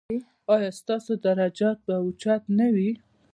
ایا ستاسو درجات به اوچت نه وي؟